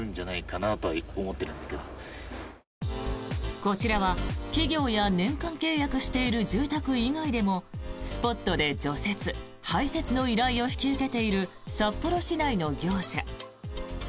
こちらは企業や年間契約している住宅以外でもスポットで除雪・排雪の依頼を引き受けている札幌市内の業者。